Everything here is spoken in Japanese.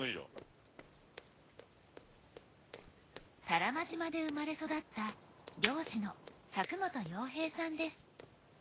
多良間島で生まれ育った漁師の佐久本洋平さんです。